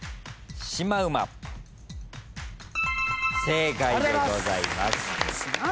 正解でございます。